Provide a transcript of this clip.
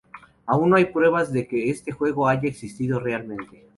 Aún no hay pruebas de que este juego haya existido realmente.